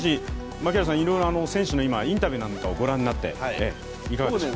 槙原さん、選手のいろいろなインタビューなどを御覧になっていかがでしたか？